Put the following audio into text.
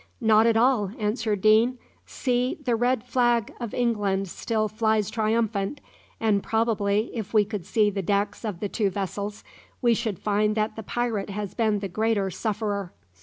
"Not at all," answered Deane; "see, the red flag of England still flies triumphant, and probably, if we could see the decks of the two vessels, we should find that the pirate has been the greater sufferer.